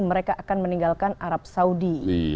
mereka akan meninggalkan arab saudi